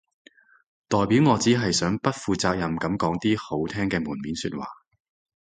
代表我只係想不負責任噉講啲好聽嘅門面說話